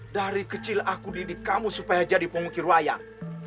dari kecil aku didik kamu supaya jadi pengukir wayang